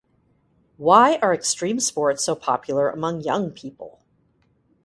Why are extreme sports so popular among young people?